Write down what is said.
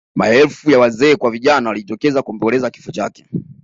maelfu ya wazee kwa vijana walijitokeza kuomboleza kifo chake